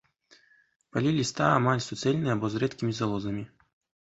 Палі ліста амаль суцэльныя або з рэдкімі залозамі.